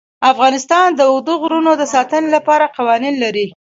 افغانستان د اوږده غرونه د ساتنې لپاره قوانین لري.